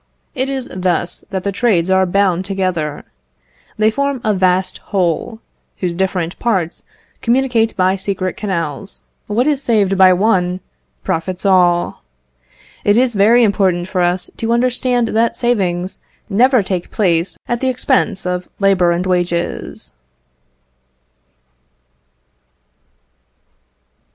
It is thus that the trades are bound together. They form a vast whole, whose different parts communicate by secret canals: what is saved by one, profits all. It is very important for us to understand that savings never take place at the expense of labour and wages.